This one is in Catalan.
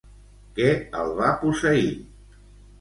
Què el va posseir?